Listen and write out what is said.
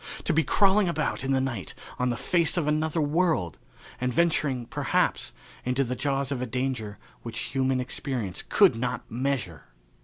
To be crawling about in the night on the face of another world and venturing, perhaps, into the jaws of a danger which human experience could not measure!